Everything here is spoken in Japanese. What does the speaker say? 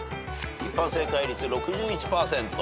一般正解率６１％。